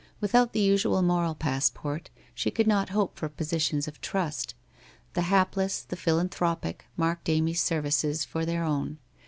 Without the usual moral passport, she could not hope for positions of trust. The hapless, the philanthropic, marked Amy's services for their own.